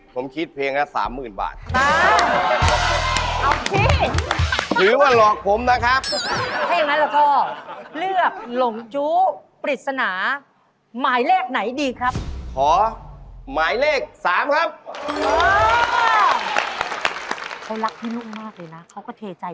ผมคิดเพลงละ๓๐๐๐บาท